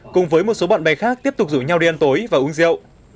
cùng với một số bạn bè khác tiếp tục rủ nhau đi ăn tối và uống rượu